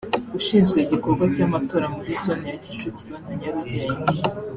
ushinzwe igikorwa cy’amatora muri zone ya Kicukiro na Nyarugenge